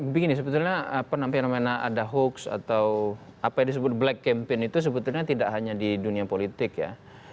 begini sebetulnya apa namanya ada hoax atau apa yang disebut black campaign itu sebetulnya tidak hanya di dunia politik ya